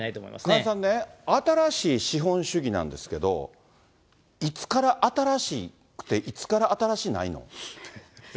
加谷さんね、新しい資本主義なんですけど、いつから新しくて、いつから新しないの？